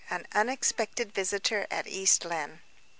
AN UNEXPECTED VISITOR AT EAST LYNNE.